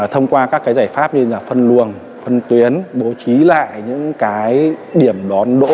thông qua các giải pháp như là phân luồng phân tuyến bố trí lại những điểm đón đỗ